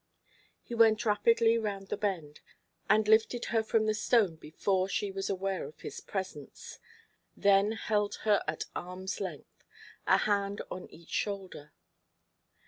He went rapidly round the bend, and lifted her from the stone before she was aware of his presence, then held her at arm's length, a hand on each shoulder.